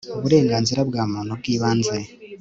uburenganzira bwa muntu bw'ibanze